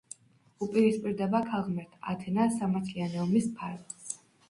უპირისპირდება ქალღმერთ ათენას, სამართლიანი ომის მფარველს.